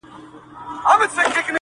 دښاغلی جهانی صاحب دغه شعر .!